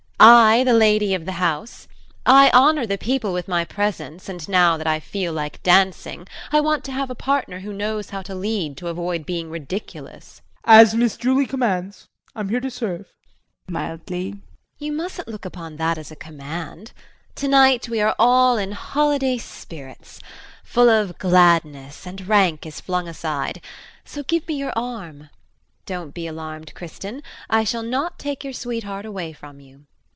I, the lady of the house! I honor the people with my presence and now that I feel like dancing I want to have a partner who knows how to lead to avoid being ridiculous. JEAN. As Miss Julie commands. I'm here to serve. JULIE [Mildly]. You mustn't look upon that as a command. Tonight we are all in holiday spirits full of gladness and rank is flung aside. So, give me your arm! Don't be alarmed, Kristin, I shall not take your sweetheart away from you.